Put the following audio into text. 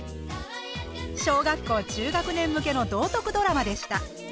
小学校中学年向けの道徳ドラマでした。